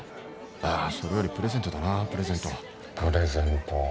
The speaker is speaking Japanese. いやそれよりプレゼントだなプレゼントプレゼント。